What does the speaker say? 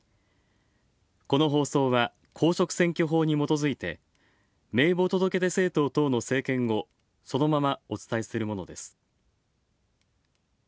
この放送は公職選挙法にもとづいて名簿届出政党等の政見をそのままお伝えするものです。